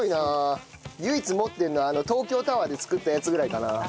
唯一持ってるの東京タワーで作ったやつぐらいかな。